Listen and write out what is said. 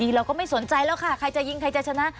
เราก็ไม่สนใจแล้วค่ะใครจะยิงใครจะชนะ